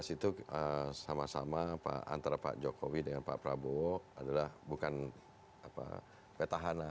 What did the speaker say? dua ribu itu sama sama antara pak jokowi dengan pak prabowo adalah bukan petahana